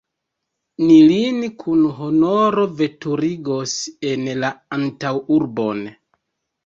Ni lin kun honoro veturigos en la antaŭurbon.